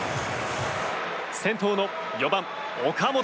先頭の４番、岡本。